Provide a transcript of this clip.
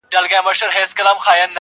د سپي دا وصیت مي هم پوره کومه.